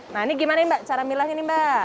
nah ini gimana mbak cara milah ini mbak